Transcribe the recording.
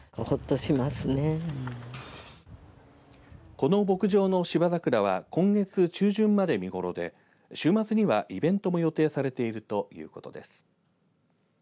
この牧場の芝桜は今月中旬まで見頃で週末にはイベントも予定されているということです。